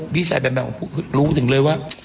พี่ชายแบมรู้ถึงเลยว่า